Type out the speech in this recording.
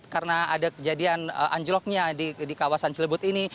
karena ada kejadian anjloknya di kawasan cilebut ini